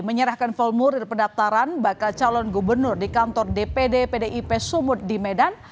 menyerahkan formulir pendaftaran bakal calon gubernur di kantor dpd pdip sumut di medan